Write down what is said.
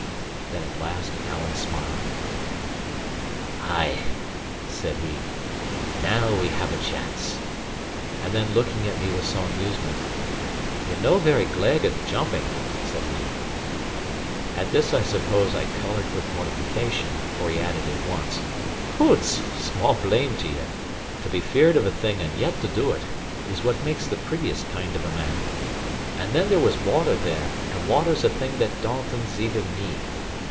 Then at last Alan smiled. "Ay" said he, "now we have a chance;" and then looking at me with some amusement, "Ye're no very gleg* at the jumping," said he. * Brisk. At this I suppose I coloured with mortification, for he added at once, "Hoots! small blame to ye! To be feared of a thing and yet to do it, is what makes the prettiest kind of a man. And then there was water there, and water's a thing that dauntons even me.